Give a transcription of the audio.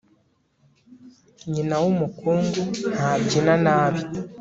nyina w'umukungu ntabyina nabi